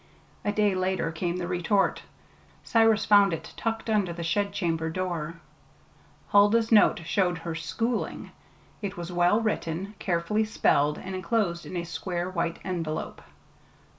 A day later came the retort. Cyrus found it tucked under the shed chamber door. Huldah's note showed her "schooling." It was well written, carefully spelled, and enclosed in a square white envelope.